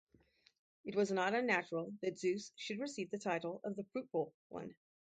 It was not unnatural that Zeus should receive the title of the Fruitful One.